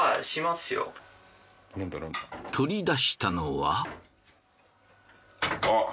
取り出したのは。